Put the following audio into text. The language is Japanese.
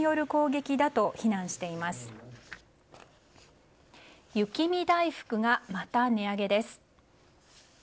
雪見だいふくが、また値上げです。